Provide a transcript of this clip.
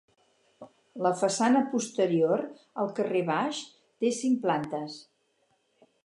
La façana posterior, al carrer Baix, té cinc plantes.